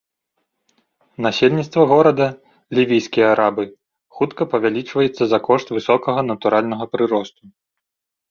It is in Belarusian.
Насельніцтва горада, лівійскія арабы, хутка павялічваецца за кошт высокага натуральнага прыросту.